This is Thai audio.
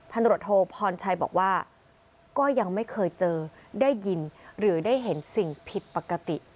ตรวจโทพรชัยบอกว่าก็ยังไม่เคยเจอได้ยินหรือได้เห็นสิ่งผิดปกติ